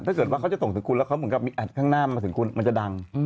ถ้าเกิดว่าเขาจะส่งถึงคุณแล้วเขาเหมือนกับข้างหน้ามาถึงคุณมันจะดัง